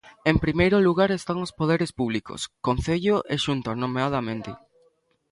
En primeiro lugar están os poderes públicos, Concello e Xunta nomeadamente.